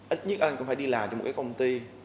ít nhất anh cũng phải đi làm cho một cái công ty